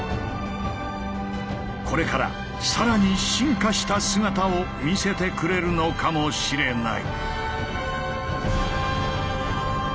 これからさらに進化した姿を見せてくれるのかもしれない。